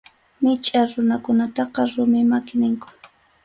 Michʼa runakunataqa rumi maki ninku.